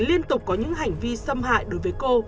liên tục có những hành vi xâm hại